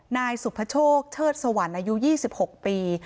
นายสุพชกเชิดสวรรค์อายุยี่สิบหกปี